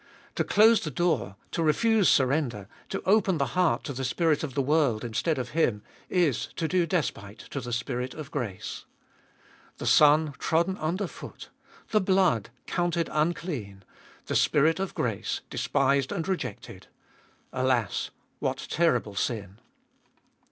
To close the door, to refuse surrender, to open the heart to the spirit of the world instead of Him, is to do despite to the Spirit of grace ! The Son trodden under foot, the blood counted unclean, the Spirit of grace despised and rejected, — alas, what terrible sin